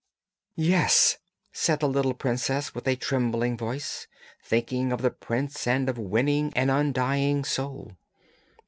'Yes!' said the little princess with a trembling voice, thinking of the prince and of winning an undying soul.